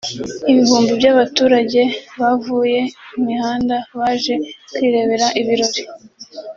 Ibihumbi by’abaturage bavuye imihanda baje kwirebera ibirori